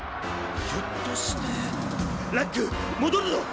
ひょっとしてラックもどるぞ！